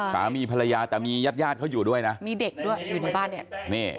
สามีภรรยาแต่มีญาติญาติเขาอยู่ด้วยนะมีเด็กด้วยอยู่ในบ้านเนี่ยนี่